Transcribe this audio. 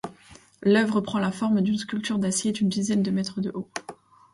L'œuvre prend la forme d'une sculpture d'acier d'une dizaine de mètres de haut.